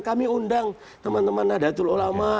kami undang teman teman nahdlatul ulama